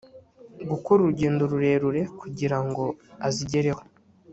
gukora urugendo rurerure kugira ngo azigereho